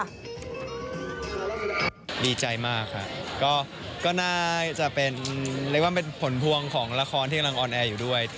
ดีใจมากค่ะก็น่าจะเป็นเรียกว่าเป็นผลพวงของละครที่กำลังออนแอร์อยู่ด้วย